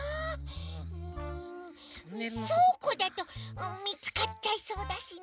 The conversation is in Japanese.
んそうこだとみつかっちゃいそうだしね。